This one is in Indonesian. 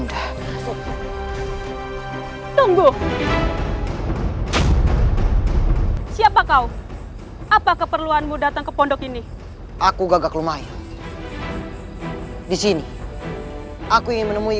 tunggu siapa kau apa keperluanmu datang ke pondok ini aku gagak lumayan disini aku ingin menemui